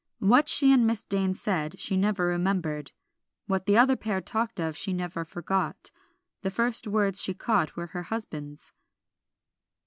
What she and Miss Dane said she never remembered; what the other pair talked of she never forgot. The first words she caught were her husband's.